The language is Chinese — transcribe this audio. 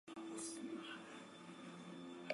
叙里埃布瓦。